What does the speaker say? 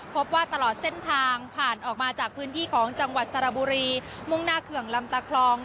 พบว่าตลอดเส้นทางผ่านออกมาจากพื้นที่ของจังหวัดสระบุรีมุ่งหน้าเขื่องลำตะคลอง